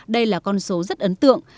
đây là con số rất ấn tượng